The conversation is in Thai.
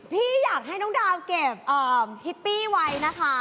พี่อยากให้น้องดาวเก็บฮิปปี้ไว้นะคะ